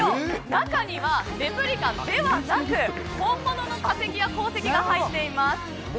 中にはレプリカではなく本物の化石や鉱石が入っています。